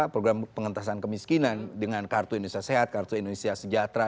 program pengentasan kemiskinan dengan kartu indonesia sehat kartu indonesia sejahtera